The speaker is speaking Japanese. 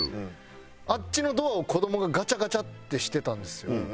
あっちのドアを子どもがガチャガチャってしてたんですよ。